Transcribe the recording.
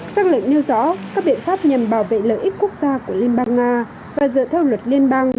xác lệnh nêu rõ các biện pháp nhằm bảo vệ lợi ích quốc gia của liên bang nga và dựa theo luật liên bang